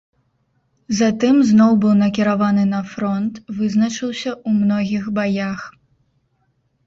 Затым зноў быў накіраваны на фронт, вызначыўся ў многіх баях.